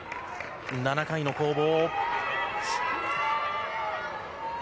７回の攻防。